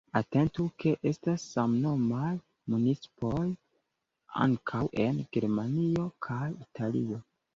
Atentu, ke estas samnomaj municipoj ankaŭ en Germanio kaj Italio.